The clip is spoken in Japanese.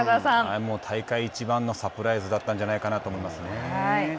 もう大会いちばんのサプライズだったんじゃないかなと思いますね。